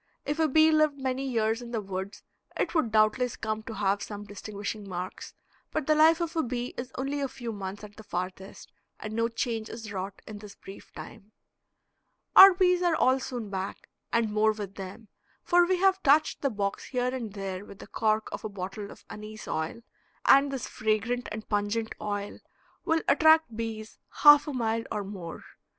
If a bee lived many years in the woods it would doubtless come to have some distinguishing marks, but the life of a bee is only a few months at the farthest, and no change is wrought in this brief time. Our bees are all soon back, and more with them, for we have touched the box here and there with the cork of a bottle of anise oil, and this fragrant and pungent oil will attract bees half a mile or more.